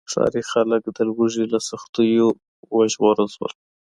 ښاري خلک د لوږې له سختیو وژغورل شول.